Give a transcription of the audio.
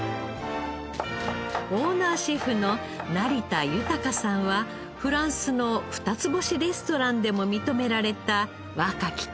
オーナーシェフの成田寛さんはフランスの二つ星レストランでも認められた若き匠。